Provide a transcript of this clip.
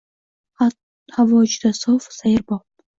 Havo juda sof, sayrbop…